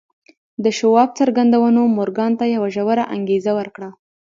د شواب څرګندونو مورګان ته یوه ژوره انګېزه ورکړه